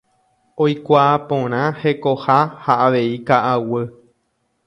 Oikuaa porã hekoha ha avei ka'aguy.